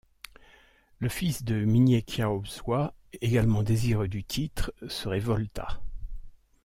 Le fils de Minyekyawswa, également désireux du titre, se révolta.